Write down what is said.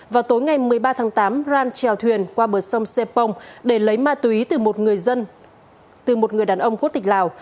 vào tối ngày một mươi ba tháng tám aran treo thuyền qua bờ sông sê pông để lấy ma túy từ một người đàn ông quốc tịch lào